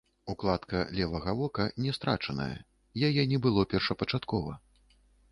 Укладка левага вока не страчаная, яе не было першапачаткова.